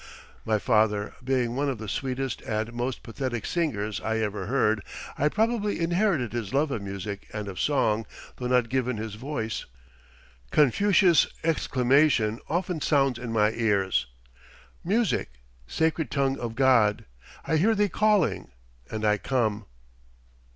My father being one of the sweetest and most pathetic singers I ever heard, I probably inherited his love of music and of song, though not given his voice. Confucius' exclamation often sounds in my ears: "Music, sacred tongue of God! I hear thee calling and I come."